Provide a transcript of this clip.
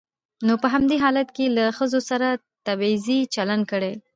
نو په همدې حالت کې يې له ښځو سره تبعيضي چلن کړى.